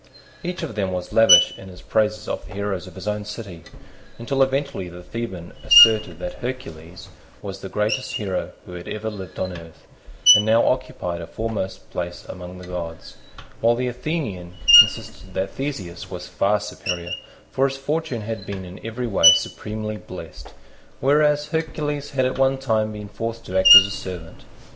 Each of them was lavish in his praises of the heroes of his own city, until eventually the Theban asserted that Hercules was the greatest hero who had ever lived on earth, and now occupied a foremost place among the gods; while the Athenian insisted that Theseus was far superior, for his fortune had been in every way supremely blessed, whereas Hercules had at one time been forced to act as a servant.